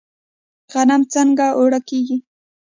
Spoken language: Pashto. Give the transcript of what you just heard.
غنم څنګه اوړه کیږي؟